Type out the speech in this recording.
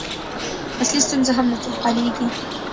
اصلي ستونزه هم نه حلېږي.